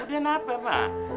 udah kenapa mak